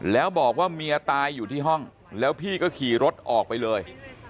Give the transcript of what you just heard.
แล้วบอกว่าเมียตายอยู่ที่ห้องแล้วพี่ก็ขี่รถออกไปเลย